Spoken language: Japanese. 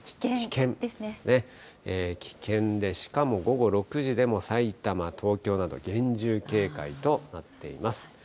危険で、しかも午後６時でもさいたま、東京など厳重警戒となっています。